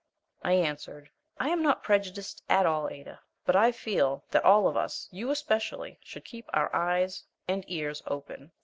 I answered: "I am not prejudiced at all, Ada, but I feel that all of us, you especially, should keep our eyes and ears open.